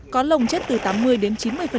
có lồng chết từ tám mươi đến chín mươi